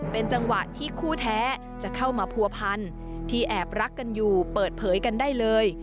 เป็นจังหวะที่คู่แท้จะเข้ามาผัวพันที่แอบรักกันอยู่เปิดเผยกันได้เลย